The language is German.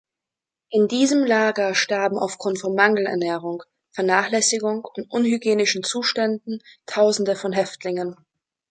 In diesem Lager starben aufgrund von Mangelernährung, Vernachlässigung und unhygienischen Zuständen tausende von Häftlingen.